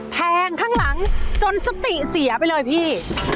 แทงข้างหลังจนสติเสียไปเลยพี่